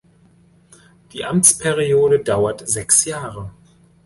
Die Amtsperiode dauert sechs Jahre.